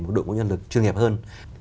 một đội ngũ nhân lực chuyên nghiệp hơn